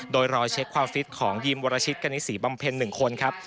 โดยรอเช็คความฟิตของยีมวรชิตกณิศรีบำเพ็ญ๑คนครับ